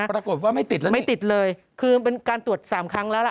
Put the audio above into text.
ปรากฏว่าไม่ติดแล้วไม่ติดเลยคือเป็นการตรวจสามครั้งแล้วล่ะ